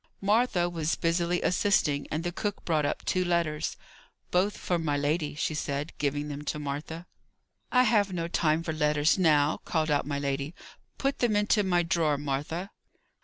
Martha was busily assisting, and the cook brought up two letters. "Both for my lady," she said, giving them to Martha. "I have no time for letters now," called out my lady. "Put them into my drawer, Martha."